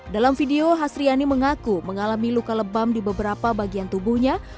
dalam video hasriani mengaku mengalami luka lebam di beberapa bagian tubuhnya